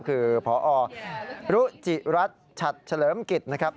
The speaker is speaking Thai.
คือพอรุจิรัฐฉัดเฉลิมกิจนะครับ